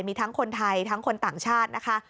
มีทั้งคนไทยทั้งคนต่างชาตินะคะ